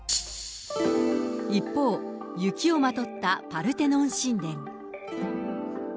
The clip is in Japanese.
一方、雪をまとったパルテノン神殿。